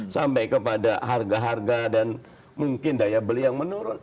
sampai kepada harga harga dan mungkin daya beli yang menurun